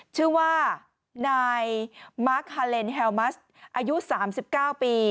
ชื่อว่านายมาร์คฮาเลนแฮลมัสอายุ๓๙ปี